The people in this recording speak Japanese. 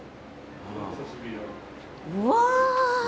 うわ。